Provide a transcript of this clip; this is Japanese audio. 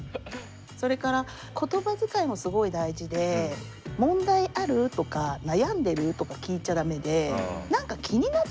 それから言葉遣いもすごい大事で「問題ある？」とか「悩んでる？」とか聞いちゃ駄目で。